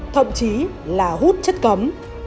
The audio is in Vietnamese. thậm chí là hút chất cấm